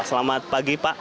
selamat pagi pak